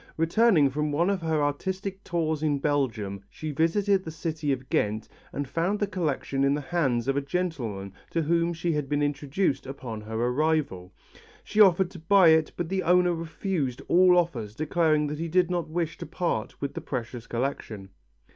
Returning from one of her artistic tours in Belgium she visited the city of Ghent and found the collection in the hands of a gentleman to whom she had been introduced upon her arrival. She offered to buy it, but the owner refused all offers declaring that he did not wish to part with the precious collection.